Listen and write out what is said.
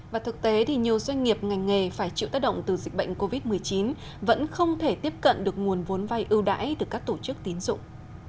và thực tế thì nhiều doanh nghiệp ngành nghề phải chịu tác động từ dịch bệnh covid một mươi chín vẫn không thể tiếp cận được nguồn vốn vay ưu đãi từ các tổ chức tín dụng